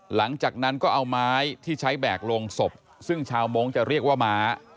หลังจากนั้นก็เอาไม้ที่ใช้แบกลงศพซึ่งชาวมงค์จะเรียกว่าม้า